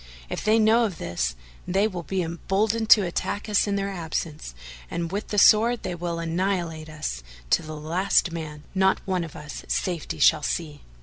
If they know of this, they will be emboldened to attack us in their absence and with the sword they will annihilate us to the last man; not one of us safety shall see.